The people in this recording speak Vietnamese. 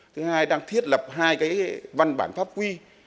thứ hai đang thiết lập hai cái văn bản pháp quy